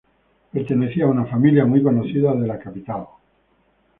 Pertenecía a una familia muy conocida de la capital.